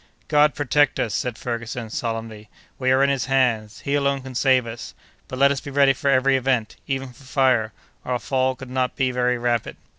"God protect us!" said Dr. Ferguson, solemnly, "we are in His hands; He alone can save us—but let us be ready for every event, even for fire—our fall could not be very rapid."